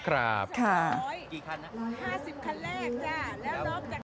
ครับปุ่นสองหกบาทนะ๕๐คันแรกแล้วจะ